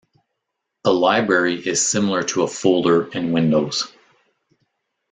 A library is similar to a folder in Windows.